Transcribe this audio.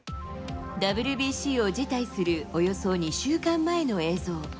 ＷＢＣを辞退するおよそ２週間前の映像。